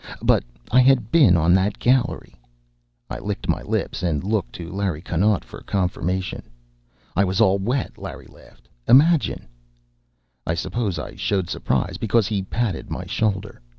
But I had been on that gallery. I licked my lips and looked to Larry Connaught for confirmation. "I was all wet," Larry laughed. "Imagine!" I suppose I showed surprise, because he patted my shoulder.